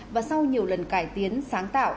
và sau nhiều lần cải tiến sáng tạo